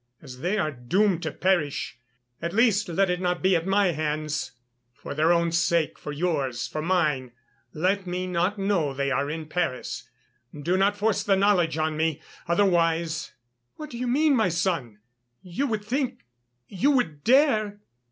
As they are doomed to perish, at least let it not be at my hands. For their own sake, for yours, for mine, let me not know they are in Paris.... Do not force the knowledge on me; otherwise...." "What do you mean, my son? you would think, you would dare...?"